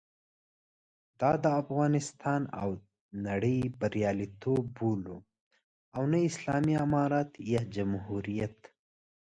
دا د افغانستان او نړۍ بریالیتوب بولو، نه اسلامي امارت یا جمهوریت.